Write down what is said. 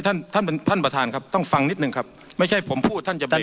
ไม่ท่านประทานครับต้องฟังนิดนึงครับไม่ใช่ผมพูดท่านจะเบลกเลย